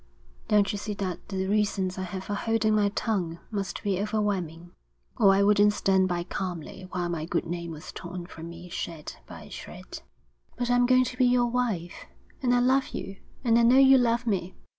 'Don't you see that the reasons I have for holding my tongue must be overwhelming, or I wouldn't stand by calmly while my good name was torn from me shred by shred?' 'But I'm going to be your wife, and I love you, and I know you love me.'